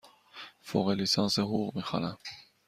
فوق لیسانس حقوق می خوانم.